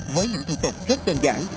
với những thủ tục rất đơn giản